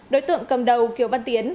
đối tượng cầm đầu kiều văn tiến